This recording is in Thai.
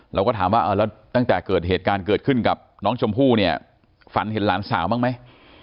เราก็ถามว่าแล้วตั้งแต่เกิดเหตุการณ์เกิดขึ้นกับน้องชมพู่เนี่ยฝันเห็นหลานสาวบ้างไหม